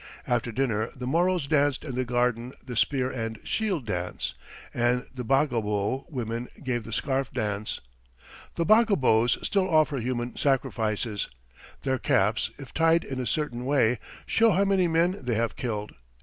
After dinner, the Moros danced in the garden the spear and shield dance, and the Bagobo women gave the scarf dance. The Bagobos still offer human sacrifices. Their caps, if tied in a certain way, show how many men they have killed.